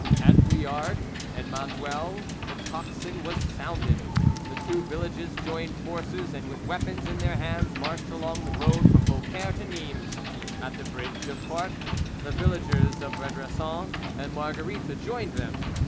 At Bouillargues and Manduel the tocsin was sounded: the two villages joined forces, and with weapons in their hands marched along the road from Beaucaire to Nimes. At the bridge of Quart the villagers of Redressan and Marguerite joined them.